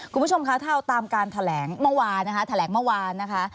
คุณผู้ชมคะถ้าเอาตามการแถลงเมื่อวานนะคะแถลงเมื่อวานนะคะ